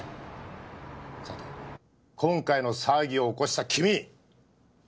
今回の騒ぎを起こした君！